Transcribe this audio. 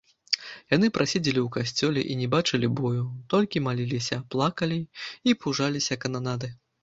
Яны праседзелі ў касцёле і не бачылі бою, толькі маліліся, плакалі і пужаліся кананады.